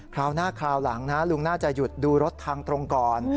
คราวหน้าคราวหลังนะลุงน่าจะหยุดดูรถทางตรงก่อน